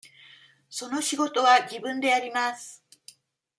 その仕事は自分でやります。